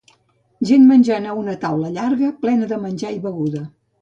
Gent menjant a una taula llarga plena de menjar i beguda.